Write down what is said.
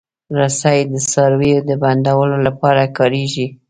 رسۍ د څارویو د بندولو لپاره کارېږي.